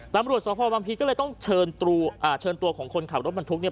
ตามร่วมสอบภพวังพีก็เลยต้องเชิญตรูอ่าเชิญตัวของคนขับรถบรรทุกเนี้ย